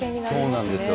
そうなんですよ。